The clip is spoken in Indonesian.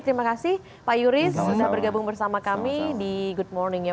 terima kasih pak yuris sudah bergabung bersama kami di good morning ya